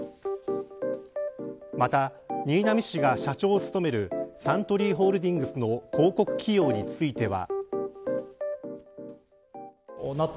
また、新浪氏が社長を務めるサントリーホールディングスの広告起用については。